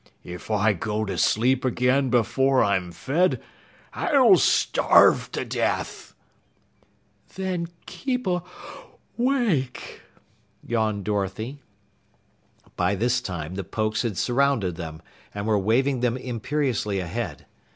"If I go to sleep again before I'm fed, I'll starve to death!" "Then keep awake," yawned Dorothy. By this time, the Pokes had surrounded them and were waving them imperiously ahead.